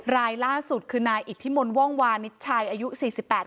รายล่าสุดคือนายอิทธิมนต์ว่องวานิชชัยอายุสี่สิบแปด